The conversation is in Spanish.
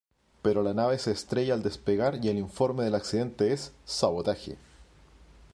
Pero la nave se estrella al despegar y el informe del accidente es: sabotaje.